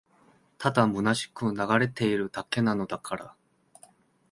ただ空しく流れているだけなのだから